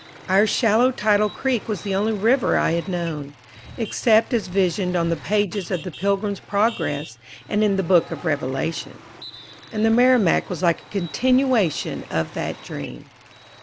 Our shallow tidal creek was the only river I had known, except as visioned on the pages of the "Pilgrim's Progress," and in the Book of Revelation. And the Merrimack was like a continuation of that dream.